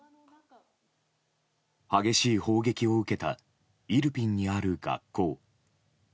激しい砲撃を受けたイルピンにある学校。